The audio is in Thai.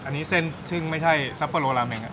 อันนี้เส้นซึ่งไม่ใช่ซัปโปโลลาเมง